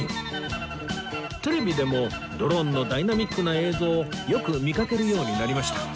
テレビでもドローンのダイナミックな映像をよく見かけるようになりました